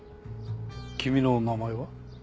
君の名前は？